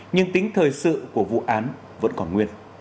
nhưng tính thời sự của vụ án vẫn còn nguyên